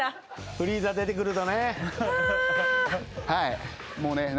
フリーザ出てくるとね。